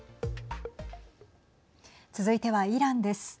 続いてはイランです。